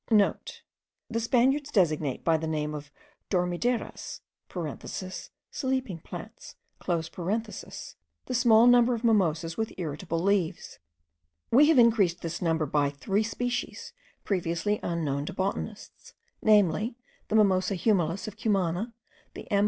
(* The Spaniards designate by the name of dormideras (sleeping plants), the small number of mimosas with irritable leaves. We have increased this number by three species previously unknown to botanists, namely, the Mimosa humilis of Cumana, the M.